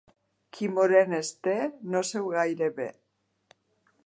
Qui morenes té no seu gaire bé.